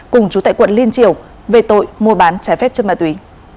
cùng chú tại quận liên triều về tội mua bán trái phép chất ma túy